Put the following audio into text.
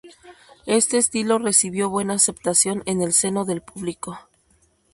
Este estilo recibió buena aceptación en el seno del público.